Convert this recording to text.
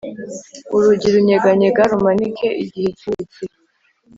urugi runyeganyega rumanika igihe kirekire